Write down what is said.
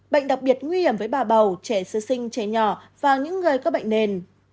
bệnh đặc biệt nguy hiểm với bà bầu trẻ sơ sinh trẻ nhỏ và những người có bệnh nền